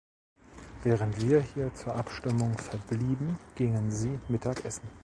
Während wir hier zur Abstimmung verblieben, gingen Sie Mittag essen.